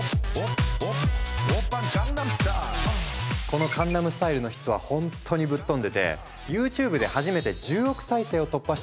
この「江南スタイル」のヒットはほんとにぶっ飛んでてＹｏｕＴｕｂｅで初めて１０億再生を突破した動画になった。